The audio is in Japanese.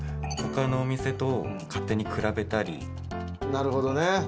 なるほどね。